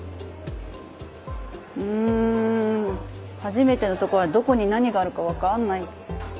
ん初めての所はどこに何があるか分かんない。